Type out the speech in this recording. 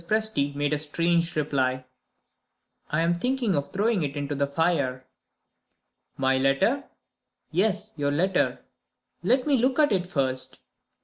Presty made a strange reply. "I am thinking of throwing it into the fire." "My letter?" "Yes; your letter." "Let me look at it first."